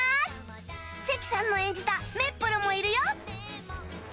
関さんの演じたメップルもいるよ